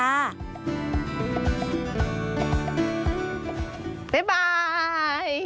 บ๊ายบาย